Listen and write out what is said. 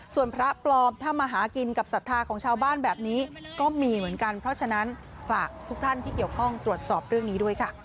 ส่วนเรื่องนี้